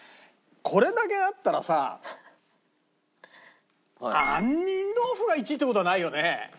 これだけあったらさ杏仁豆腐が１位って事はないよね。